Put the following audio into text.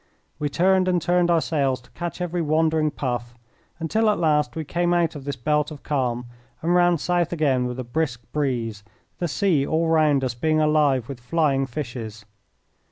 We turned and turned our sails to catch every wandering puff, until at last we came out of this belt of calm and ran south again with a brisk breeze, the sea all round us being alive with flying fishes.